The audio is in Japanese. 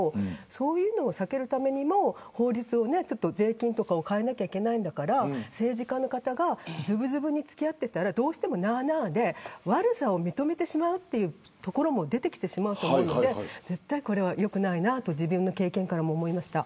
そういうの避けるためにも法律を税金を変えなければいけないんだから政治家の方がずぶずぶに付き合っていたらどうしても、なあなあで悪さを認めてしまうというところも出てきてしまうと思うので絶対、これはよくないなと自分の経験から思いました。